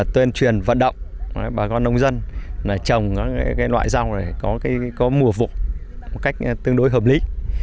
tuyên truyền vận động bà con nông dân trồng các loại rau có mùa vụ một cách tương đối hợp lý